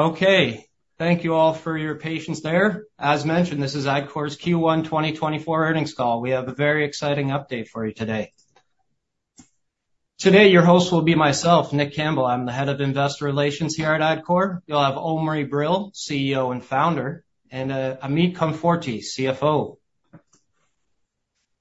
Okay, thank you all for your patience there. As mentioned, this is Adcore's Q1 2024 Earnings Call. We have a very exciting update for you today. Today, your host will be myself, Nick Campbell. I'm the Head of Investor Relations here at Adcore. You'll have Omri Brill, CEO and Founder, and Amit Konforty, CFO.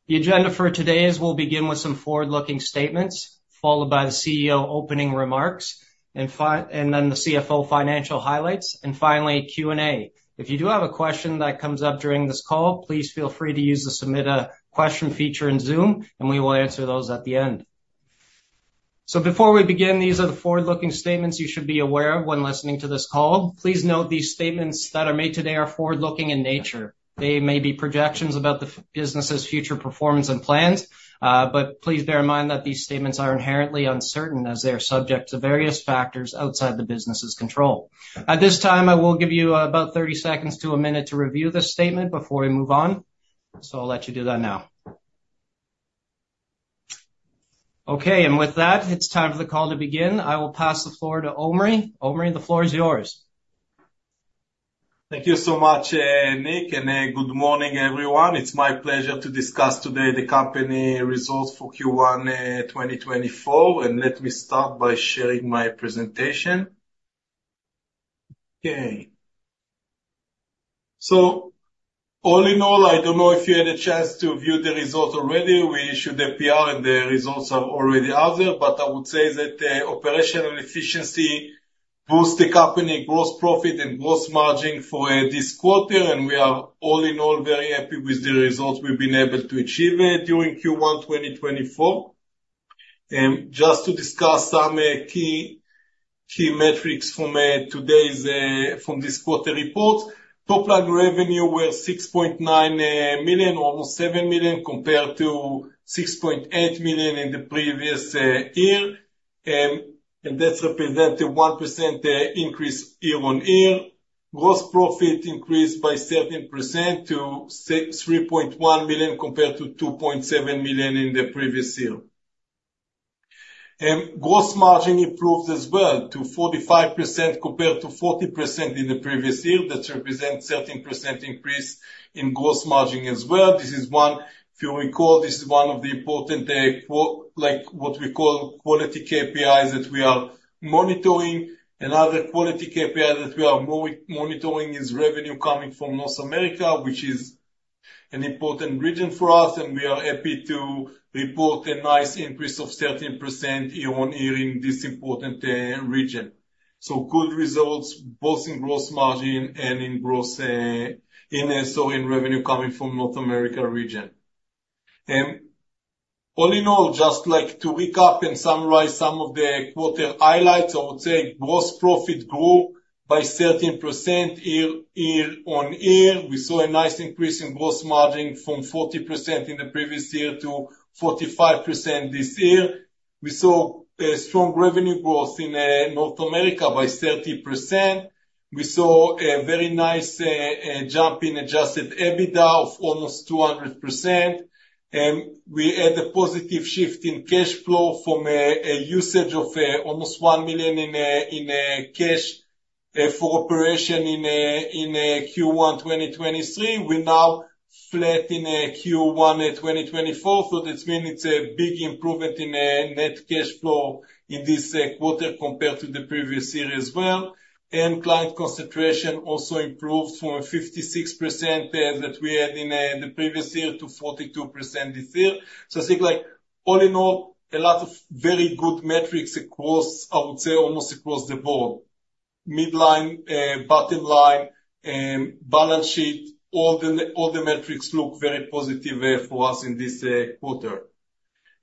The agenda for today is we'll begin with some forward-looking statements, followed by the CEO opening remarks, and then the CFO financial highlights, and finally, Q&A. If you do have a question that comes up during this call, please feel free to use the Submit a Question feature in Zoom, and we will answer those at the end. So before we begin, these are the forward-looking statements you should be aware of when listening to this call. Please note, these statements that are made today are forward-looking in nature. They may be projections about the business's future performance and plans, but please bear in mind that these statements are inherently uncertain as they are subject to various factors outside the business's control. At this time, I will give you about 30 seconds to a minute to review this statement before we move on, so I'll let you do that now. Okay, and with that, it's time for the call to begin. I will pass the floor to Omri. Omri, the floor is yours. Thank you so much, Nick, and, good morning, everyone. It's my pleasure to discuss today the company results for Q1 2024, and let me start by sharing my presentation. Okay. So all in all, I don't know if you had a chance to view the result already. We issued a PR, and the results are already out there, but I would say that the operational efficiency boost the company gross profit and gross margin for this quarter, and we are, all in all, very happy with the results we've been able to achieve during Q1 2024. Just to discuss some key, key metrics from today's from this quarter report. Top-line revenue were 6.9 million, almost 7 million compared to 6.8 million in the previous year. And that's represent a 1% increase year-on-year. Gross profit increased by 13% to 3.1 million, compared to 2.7 million in the previous year. Gross margin improved as well to 45%, compared to 40% in the previous year. That represent 13% increase in gross margin as well. This is one, if you recall, this is one of the important, like what we call quality KPIs, that we are monitoring. Another quality KPI that we are monitoring is revenue coming from North America, which is an important region for us, and we are happy to report a nice increase of 13% year-on-year in this important region. So good results, both in gross margin and in gross, and so in revenue coming from North America region. All in all, just like to recap and summarize some of the quarter highlights. I would say gross profit grew by 13% year-over-year. We saw a nice increase in gross margin from 40% in the previous year to 45% this year. We saw a strong revenue growth in North America by 30%. We saw a very nice jump in adjusted EBITDA of almost 200%. We had a positive shift in cash flow from a usage of almost 1 million in cash for operation in Q1 2023. We're now flat in Q1 2024. So this means it's a big improvement in net cash flow in this quarter compared to the previous year as well. Client concentration also improved from 56% that we had in the previous year to 42% this year. So I think, like, all in all, a lot of very good metrics across, I would say, almost across the board. Midline, bottom line, balance sheet, all the metrics look very positive for us in this quarter.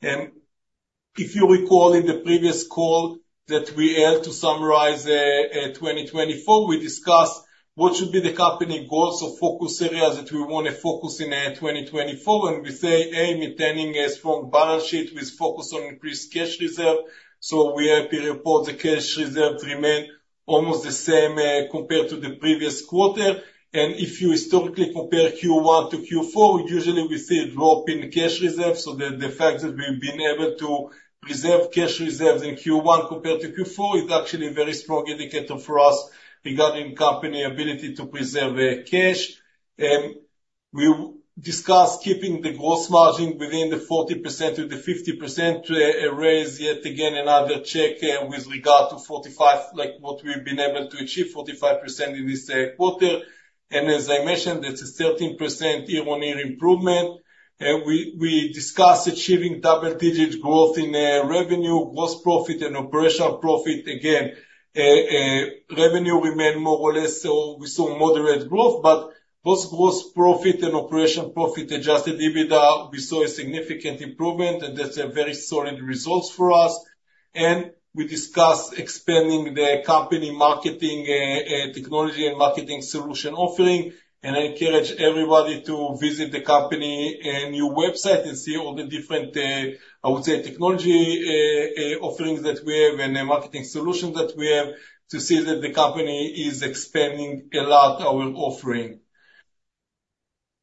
If you recall in the previous call that we held to summarize 2024, we discussed what should be the company goals or focus areas that we wanna focus in 2024, and we say, A, maintaining a strong balance sheet with focus on increased cash reserve. So we are happy to report the cash reserves remain almost the same, compared to the previous quarter. If you historically compare Q1 to Q4, usually we see a drop in cash reserves, so the fact that we've been able to preserve cash reserves in Q1 compared to Q4 is actually a very strong indicator for us regarding company ability to preserve cash. We discussed keeping the gross margin within the 40%-50% to raise yet again another check with regard to 45%, like what we've been able to achieve, 45% in this quarter. And as I mentioned, that's a 13% year-on-year improvement. We discussed achieving double-digit growth in revenue, gross profit and operational profit. Again, revenue remained more or less, so we saw moderate growth, but both gross profit and operational profit Adjusted EBITDA, we saw a significant improvement, and that's a very solid results for us. We discussed expanding the company marketing, technology and marketing solution offering, and I encourage everybody to visit the company, new website and see all the different, I would say, technology, offerings that we have and the marketing solutions that we have to see that the company is expanding a lot our offering.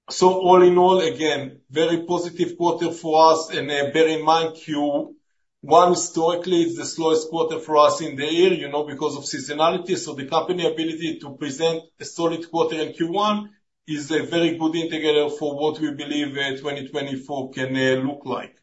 So all in all, again, very positive quarter for us, and, bear in mind, Q1 historically is the slowest quarter for us in the year, you know, because of seasonality. So the company ability to present a solid quarter in Q1 is a very good indicator for what we believe, 2024 can look like.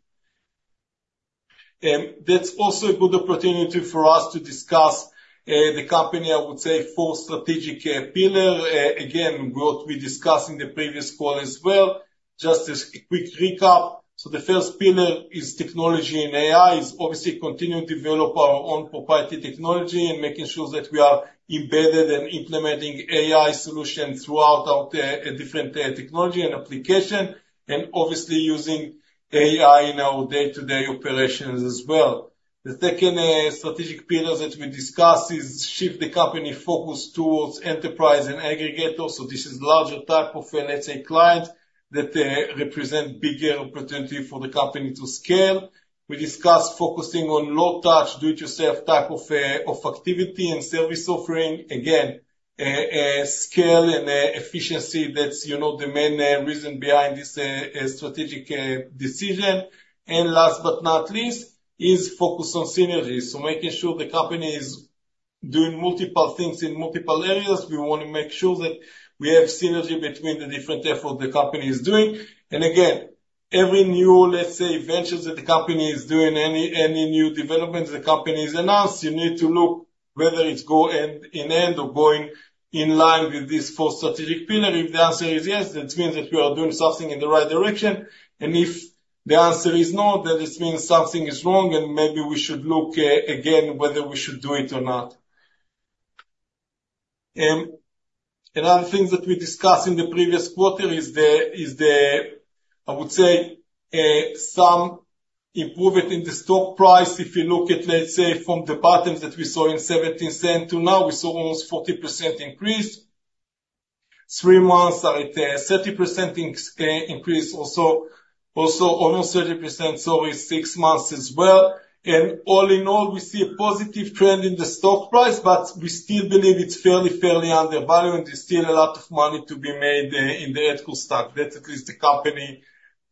That's also a good opportunity for us to discuss the company, I would say, four strategic pillar. Again, what we discussed in the previous call as well, just as a quick recap. So the first pillar is technology, and AI is obviously continue to develop our own proprietary technology and making sure that we are embedded and implementing AI solutions throughout our different technology and application, and obviously using AI in our day-to-day operations as well. The second strategic pillar that we discussed is shift the company focus towards enterprise and aggregator. So this is larger type of, let's say, client, that represent bigger opportunity for the company to scale. We discussed focusing on low touch, do-it-yourself type of activity and service offering. Again, scale and efficiency, that's, you know, the main reason behind this strategic decision. And last but not least, is focus on synergies. So making sure the company is doing multiple things in multiple areas. We wanna make sure that we have synergy between the different efforts the company is doing. And again, every new, let's say, ventures that the company is doing, any new developments the company has announced, you need to look whether it's going end-to-end or going in line with these four strategic pillars. If the answer is yes, that means that we are doing something in the right direction. And if the answer is no, then it means something is wrong, and maybe we should look again whether we should do it or not. Another thing that we discussed in the previous quarter is, I would say, some improvement in the stock price. If you look at, let's say, from the bottom that we saw in 0.17 to now, we saw almost 40% increase. Three months at 30% increase, also, also almost 30%, so is six months as well. And all in all, we see a positive trend in the stock price, but we still believe it's fairly, fairly undervalued, and there's still a lot of money to be made in the Adcore stock. That's at least the company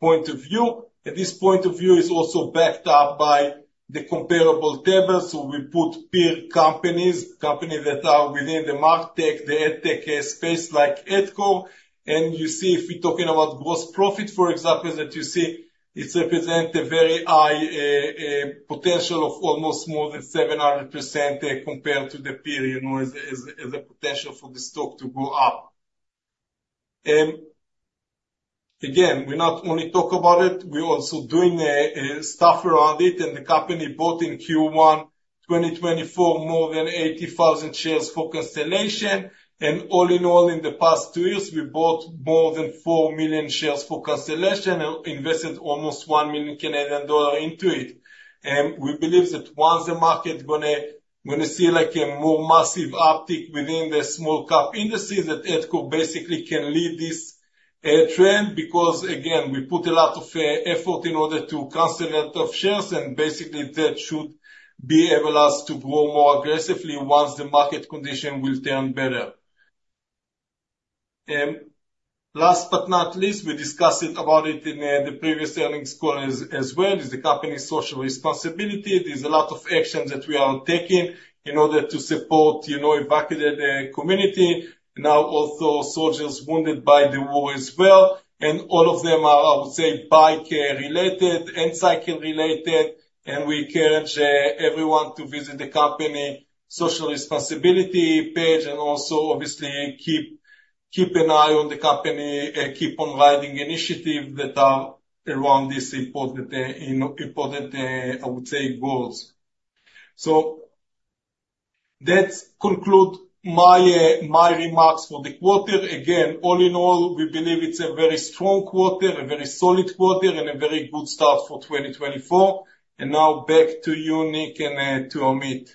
point of view. And this point of view is also backed up by the comparable table. So we put peer companies, companies that are within the market, the adtech space like Adcore. And you see, if we're talking about gross profit, for example, that you see, it represent a very high potential of almost more than 700%, compared to the peer, you know, is a potential for the stock to go up. Again, we not only talk about it, we're also doing stuff around it, and the company bought in Q1, 2024, more than 80,000 shares for cancellation. And all in all, in the past two years, we bought more than 4 million shares for cancellation and invested almost 1 million Canadian dollar into it. And we believe that once the market gonna see like a more massive uptick within the small cap industry, that Adcore basically can lead this trend. Because, again, we put a lot of effort in order to consolidate of shares, and basically that should enable us to grow more aggressively once the market condition will turn better. Last but not least, we discussed it about it in the previous earnings call as well, is the company's social responsibility. There's a lot of action that we are taking in order to support, you know, evacuated community. Now also soldiers wounded by the war as well, and all of them are, I would say, bike-related and cycling-related, and we encourage everyone to visit the company social responsibility page and also obviously keep an eye on the company's Keep on Riding initiative that are around this important, I would say, goals. So that conclude my remarks for the quarter. Again, all in all, we believe it's a very strong quarter, a very solid quarter, and a very good start for 2024. And now back to you, Nick, and to Amit.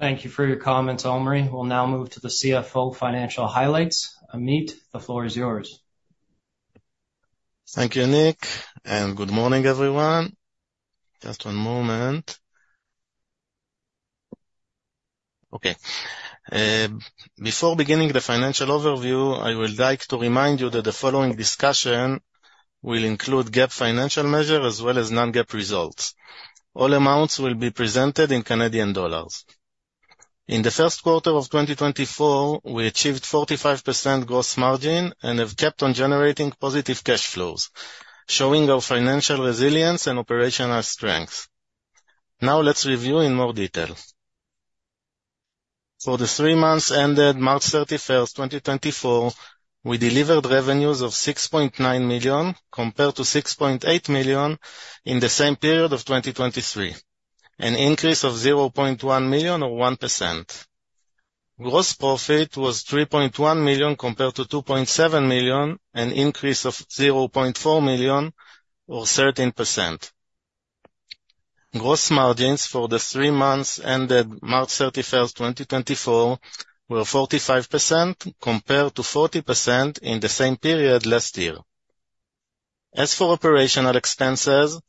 Thank you for your comments, Omri. We'll now move to the CFO financial highlights. Amit, the floor is yours. Thank you, Nick, and good morning, everyone. Just one moment. Okay. Before beginning the financial overview, I would like to remind you that the following discussion will include GAAP financial measure as well as non-GAAP results. All amounts will be presented in Canadian dollars. In the first quarter of 2024, we achieved 45% gross margin and have kept on generating positive cash flows, showing our financial resilience and operational strength. Now, let's review in more detail. For the three months ended March 31st, 2024, we delivered revenues of 6.9 million compared to 6.8 million in the same period of 2023, an increase of 0.1 million or 1%. Gross profit was 3.1 million compared to 2.7 million, an increase of 0.4 million, or 13%. Gross margins for the three months ended March 31st, 2024, were 45%, compared to 40% in the same period last year. As for operational expenses,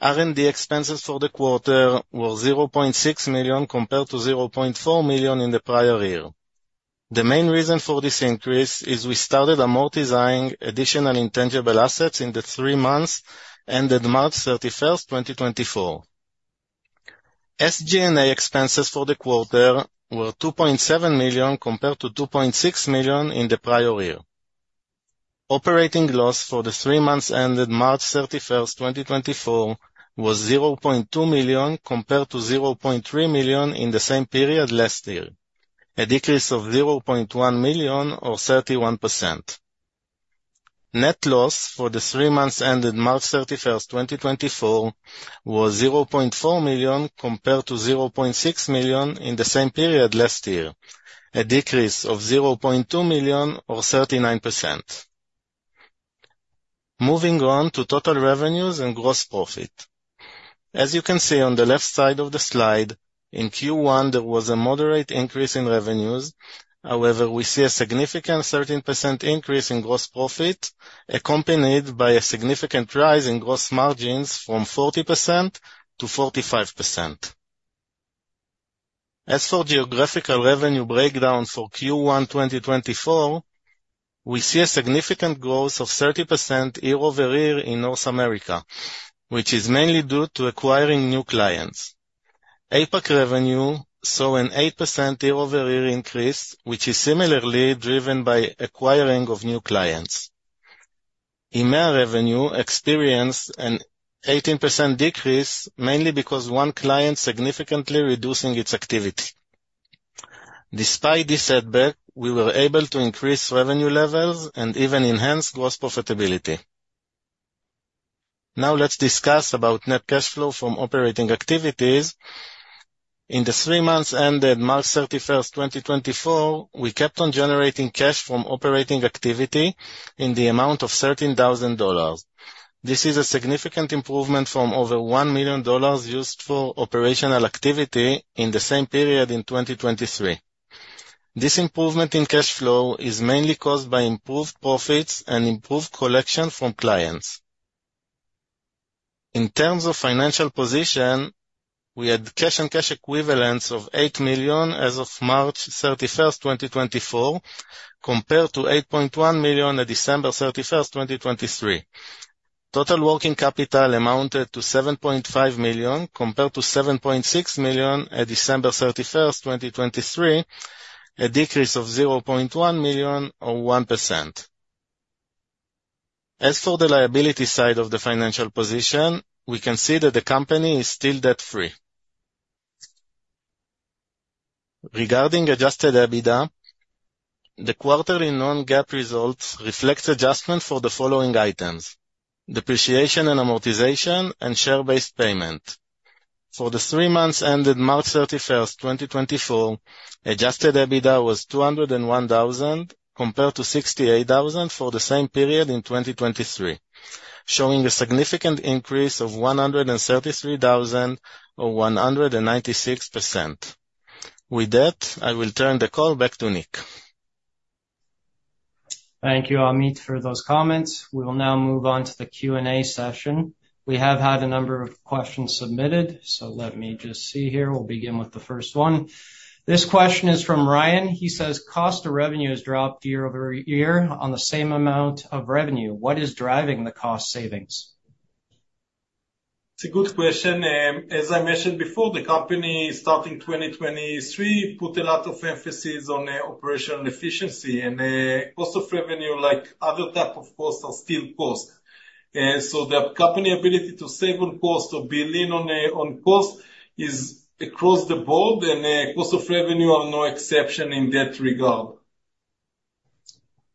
R&D expenses for the quarter were 0.6 million, compared to 0.4 million in the prior year. The main reason for this increase is we started amortizing additional intangible assets in the three months ended March 31st, 2024. SG&A expenses for the quarter were 2.7 million, compared to 2.6 million in the prior year. Operating loss for the three months ended March 31st, 2024, was 0.2 million, compared to 0.3 million in the same period last year. A decrease of 0.1 million or 31%. Net loss for the three months ended March 31st, 2024, was 0.4 million, compared to 0.6 million in the same period last year, a decrease of 0.2 million or 39%. Moving on to total revenues and gross profit. As you can see on the left side of the slide, in Q1, there was a moderate increase in revenues. However, we see a significant 13% increase in gross profit, accompanied by a significant rise in gross margins from 40%-45%. As for geographical revenue breakdown for Q1 2024, we see a significant growth of 30% year-over-year in North America, which is mainly due to acquiring new clients. APAC revenue saw an 8% year-over-year increase, which is similarly driven by acquiring of new clients. EMEA revenue experienced an 18% decrease, mainly because one client significantly reducing its activity. Despite this setback, we were able to increase revenue levels and even enhance gross profitability. Now, let's discuss about net cash flow from operating activities. In the three months ended March 31st, 2024, we kept on generating cash from operating activity in the amount of 13,000 dollars. This is a significant improvement from over 1 million dollars used for operational activity in the same period in 2023. This improvement in cash flow is mainly caused by improved profits and improved collection from clients. In terms of financial position, we had cash and cash equivalents of 8 million as of March 31st, 2024, compared to 8.1 million at December 31st, 2023. Total working capital amounted to 7.5 million, compared to 7.6 million at December 31st, 2023, a decrease of 0.1 million or 1%. As for the liability side of the financial position, we can see that the company is still debt-free. Regarding adjusted EBITDA, the quarterly non-GAAP results reflects adjustment for the following items: depreciation and amortization, and share-based payment. For the three months ended March 31st, 2024, adjusted EBITDA was 201,000, compared to 68,000 for the same period in 2023, showing a significant increase of 133,000 or 196%. With that, I will turn the call back to Nick. Thank you, Amit, for those comments. We will now move on to the Q&A session. We have had a number of questions submitted, so let me just see here. We'll begin with the first one. This question is from Ryan. He says: Cost of revenue has dropped year-over-year on the same amount of revenue. What is driving the cost savings? It's a good question. As I mentioned before, the company, starting 2023, put a lot of emphasis on operational efficiency and cost of revenue, like other type of costs, are still cost. So the company ability to save on cost, to be lean on on cost, is across the board, and cost of revenue are no exception in that regard.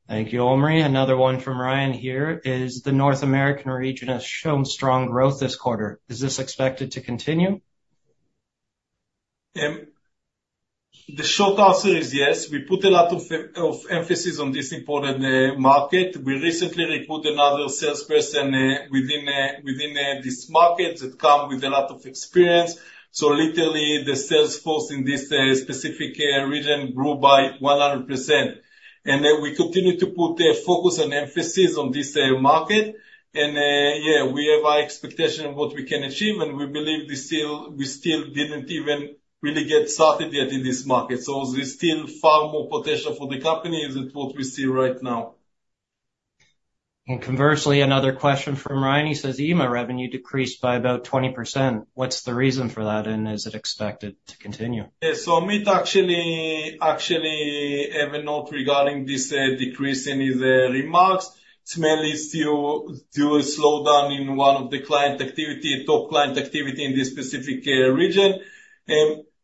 Thank you, Omri. Another one from Ryan here, is: The North American region has shown strong growth this quarter. Is this expected to continue? The short answer is yes. We put a lot of emphasis on this important market. We recently recruited another salesperson within this market that come with a lot of experience. So literally, the sales force in this specific region grew by 100%. And we continue to put a focus and emphasis on this market. And yeah, we have high expectation of what we can achieve, and we believe we still didn't even really get started yet in this market. So there's still far more potential for the company than what we see right now. Conversely, another question from Ryan. He says: EMEA revenue decreased by about 20%. What's the reason for that, and is it expected to continue? Yeah, so Amit actually have a note regarding this decrease in his remarks. It's mainly still due to slowdown in one of the client activity, top client activity in this specific region.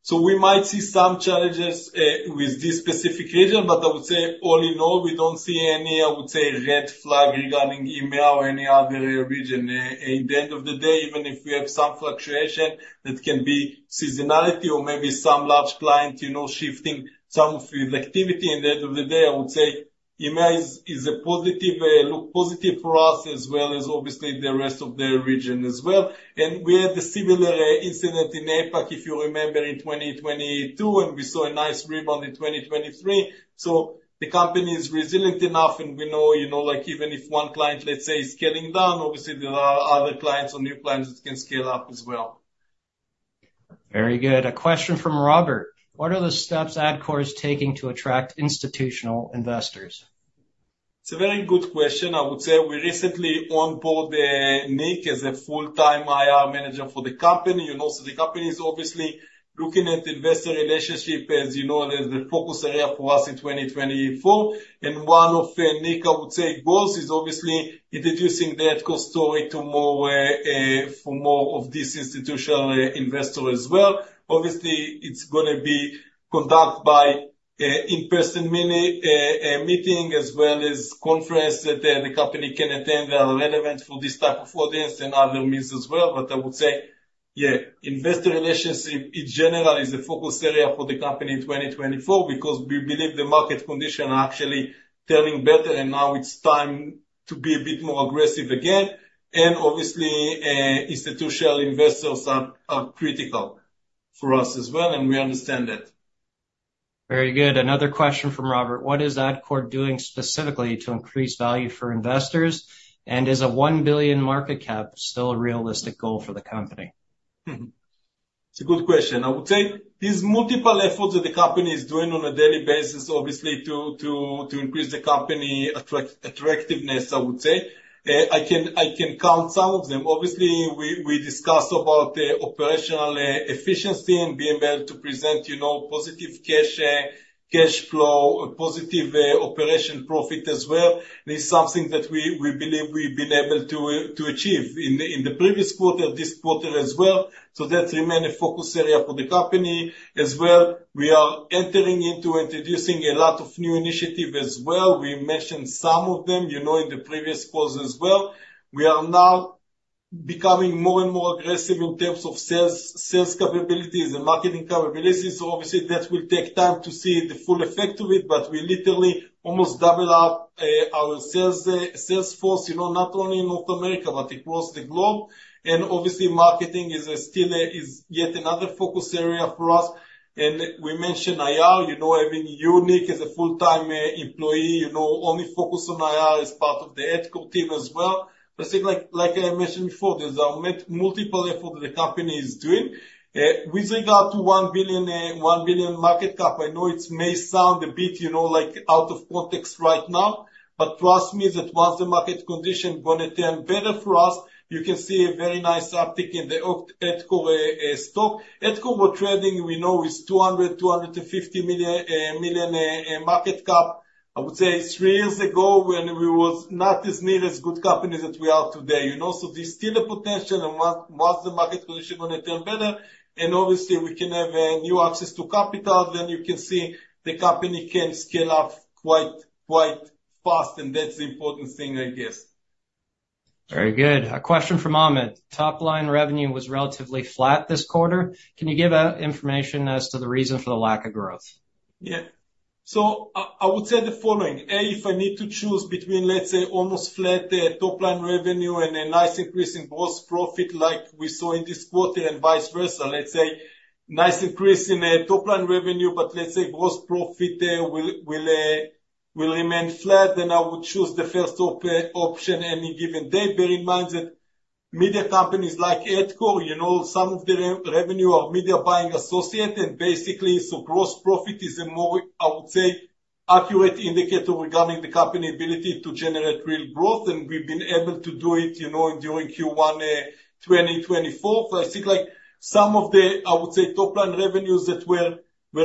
So we might see some challenges with this specific region, but I would say, all in all, we don't see any, I would say, red flag regarding EMEA or any other region. At the end of the day, even if we have some fluctuation, that can be seasonality or maybe some large client, you know, shifting some of his activity, in the end of the day, I would say EMEA is a positive look positive for us, as well as obviously the rest of the region as well. We had a similar incident in APAC, if you remember, in 2022, and we saw a nice rebound in 2023. The company is resilient enough, and we know, you know, like, even if one client, let's say, is scaling down, obviously, there are other clients or new clients that can scale up as well.... Very good. A question from Robert: What are the steps Adcore is taking to attract institutional investors? It's a very good question. I would say we recently onboard Nick as a full-time IR manager for the company. You know, so the company is obviously looking at investor relationship as, you know, the focus area for us in 2024. And one of Nick, I would say, goals, is obviously introducing the Adcore story to more for more of this institutional investor as well. Obviously, it's gonna be conduct by in-person mini meeting as well as conference that the company can attend, that are relevant for this type of audience and other means as well. But I would say, yeah, investor relationship in general is the focus area for the company in 2024, because we believe the market conditions are actually turning better, and now it's time to be a bit more aggressive again. Obviously, institutional investors are critical for us as well, and we understand that. Very good. Another question from Robert: What is Adcore doing specifically to increase value for investors? And is a 1 billion market cap still a realistic goal for the company? It's a good question. I would say, there's multiple efforts that the company is doing on a daily basis, obviously, to increase the company attractiveness, I would say. I can count some of them. Obviously, we discussed about the operational efficiency and being able to present, you know, positive cash flow, positive operating profit as well. This is something that we believe we've been able to achieve in the previous quarter, this quarter as well. So that remain a focus area for the company. As well, we are entering into introducing a lot of new initiative as well. We mentioned some of them, you know, in the previous calls as well. We are now becoming more and more aggressive in terms of sales, sales capabilities and marketing capabilities, so obviously that will take time to see the full effect of it, but we literally almost double up, our sales sales force, you know, not only in North America, but across the globe. Obviously, marketing is still is yet another focus area for us. We mentioned IR, you know, having Nick as a full-time employee, you know, only focus on IR as part of the Adcore team as well. But I think, like I mentioned before, there's a multiple effort that the company is doing. With regard to one billion, one billion market cap, I know it may sound a bit, you know, like, out of context right now, but trust me, that once the market condition gonna turn better for us, you can see a very nice uptick in the of Adcore, stock. Adcore were trading, we know, is 200, 250 million, million, market cap. I would say three years ago, when we was not as near as good company that we are today, you know? So there's still a potential, and once the market condition gonna turn better, and obviously we can have a new access to capital, then you can see the company can scale up quite, quite fast, and that's the important thing, I guess. Very good. A question from Ahmed: Top line revenue was relatively flat this quarter. Can you give information as to the reason for the lack of growth? Yeah. So I would say the following: A, if I need to choose between, let's say, almost flat top line revenue and a nice increase in gross profit like we saw in this quarter and vice versa, let's say nice increase in top line revenue, but let's say gross profit will remain flat, then I would choose the first option any given day. Bear in mind that media companies like Adcore, you know, some of the revenue are media buying associated, and basically, so gross profit is a more, I would say, accurate indicator regarding the company ability to generate real growth, and we've been able to do it, you know, during Q1 2024. But I think, like, some of the, I would say, top line revenues that were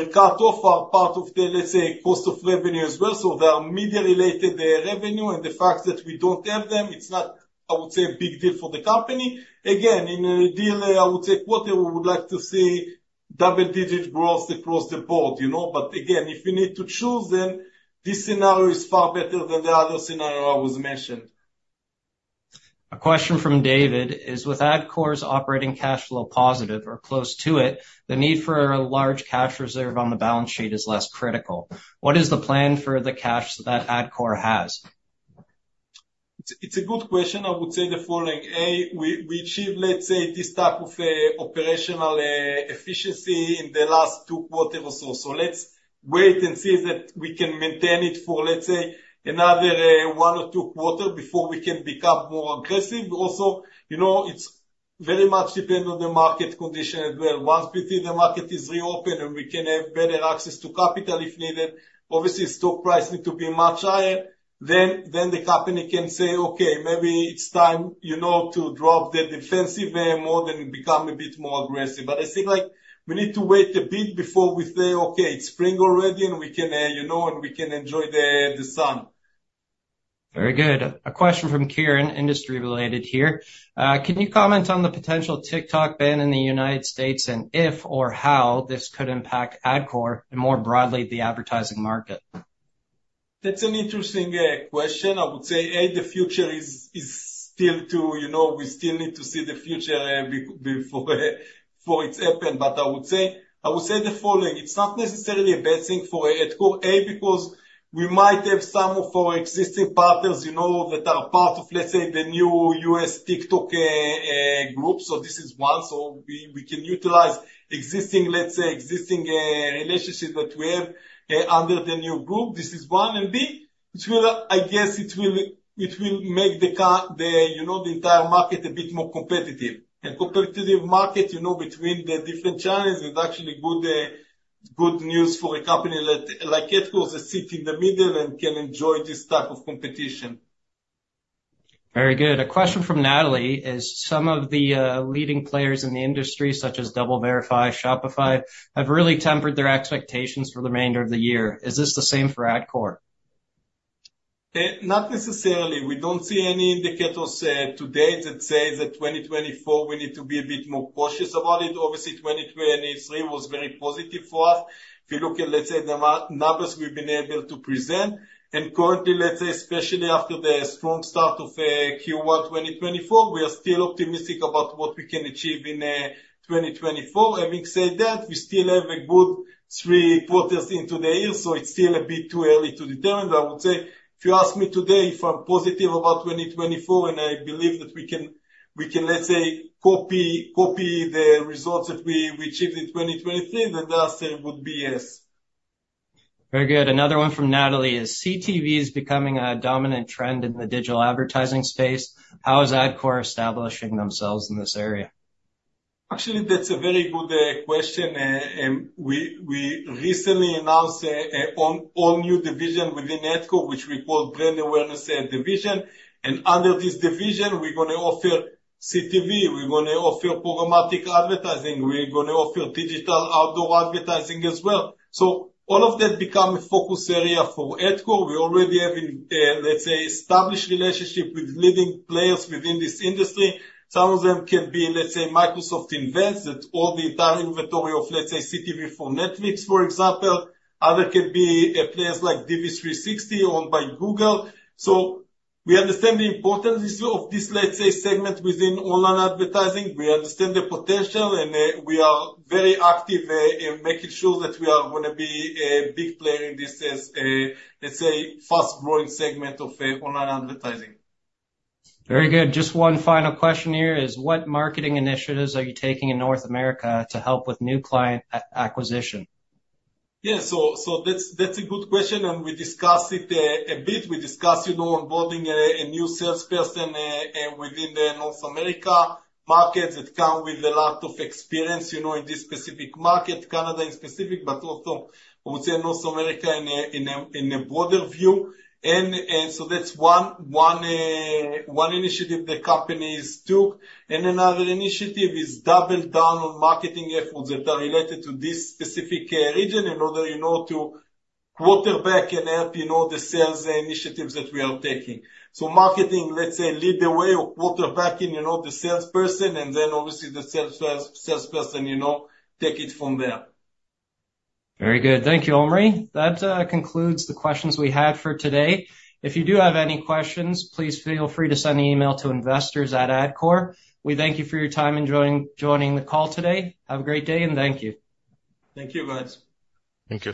cut off are part of the, let's say, cost of revenue as well, so they are media-related revenue. And the fact that we don't have them, it's not, I would say, a big deal for the company. Again, in a deal, I would say, quarter, we would like to see double-digit growth across the board, you know? But again, if you need to choose, then this scenario is far better than the other scenario I was mentioned. A question from David: With Adcore's operating cash flow positive or close to it, the need for a large cash reserve on the balance sheet is less critical. What is the plan for the cash that Adcore has? It's a good question. I would say the following: Ah, we achieved, let's say, this type of operational efficiency in the last two quarters or so, so let's wait and see that we can maintain it for, let's say, another one or two quarters before we can become more aggressive. Also, you know, it's very much depend on the market condition as well. Once we see the market is reopened and we can have better access to capital if needed, obviously stock price need to be much higher, then the company can say, "Okay, maybe it's time, you know, to drop the defensive more and become a bit more aggressive." But I think, like, we need to wait a bit before we say, "Okay, it's spring already, and we can, you know, and we can enjoy the sun. Very good. A question from Kieran, industry related here. Can you comment on the potential TikTok ban in the United States, and if or how this could impact Adcore, and more broadly, the advertising market? That's an interesting question. I would say, A, the future is still to... You know, we still need to see the future before it's happened. But I would say, I would say the following: It's not necessarily a bad thing for Adcore, A, because we might have some of our existing partners, you know, that are part of, let's say, the new U.S. TikTok group. So this is one, so we can utilize existing, let's say, existing relationship that we have under the new group. This is one, and B... It will, I guess, it will make the entire market a bit more competitive. A competitive market, you know, between the different channels is actually good news for a company like Adcore that sit in the middle and can enjoy this type of competition. Very good. A question from Natalie is: some of the leading players in the industry, such as DoubleVerify, Shopify, have really tempered their expectations for the remainder of the year. Is this the same for Adcore? Not necessarily. We don't see any indicators today that say that 2024, we need to be a bit more cautious about it. Obviously, 2023 was very positive for us. If you look at, let's say, the uhm numbers we've been able to present, and currently, let's say, especially after the strong start of Q1 2024, we are still optimistic about what we can achieve in 2024. Having said that, we still have a good three quarters into the year, so it's still a bit too early to determine. But I would say, if you ask me today if I'm positive about 2024, and I believe that we can, we can, let's say, copy, copy the results that we, we achieved in 2023, then I say it would be yes. Very good. Another one from Natalie is, CTV is becoming a dominant trend in the digital advertising space. How is Adcore establishing themselves in this area? Actually, that's a very good question. We recently announced an all new division within Adcore, which we call brand awareness division. And under this division, we're gonna offer CTV, we're gonna offer programmatic advertising, we're gonna offer digital outdoor advertising as well. So all of that become a focus area for Adcore. We already have, let's say, an established relationship with leading players within this industry. Some of them can be, let's say, Microsoft Advertising. That's all the entire inventory of, let's say, CTV for Netflix, for example. Other can be players like DV360, owned by Google. So we understand the importance of this, let's say, segment within online advertising. We understand the potential, and we are very active in making sure that we are gonna be a big player in this, let's say, fast-growing segment of online advertising. Very good. Just one final question here is: what marketing initiatives are you taking in North America to help with new client acquisition? Yeah. So that's a good question, and we discussed it a bit. We discussed, you know, onboarding a new salesperson within the North America market, that come with a lot of experience, you know, in this specific market, Canada in specific, but also I would say North America in a broader view. And so that's one initiative the company took. And another initiative is double down on marketing efforts that are related to this specific region, in order, you know, to quarterback and help, you know, the sales initiatives that we are taking. So marketing, let's say, lead the way or quarterbacking, you know, the salesperson, and then obviously the salesperson, you know, take it from there. Very good. Thank you, Omri. That concludes the questions we had for today. If you do have any questions, please feel free to send an email to investors@adcore.com. We thank you for your time and joining, joining the call today. Have a great day, and thank you. Thank you, guys. Thank you.